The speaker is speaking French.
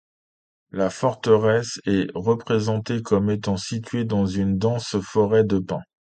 La forteresse est représentée comme étant située dans une dense forêt de pins.